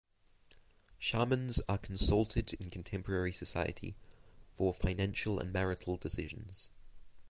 Shamans are consulted in contemporary society for financial and marital decisions.